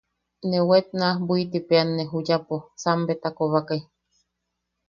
Ne waet naa buitipeʼeanne juyapo, sambeta kobakai.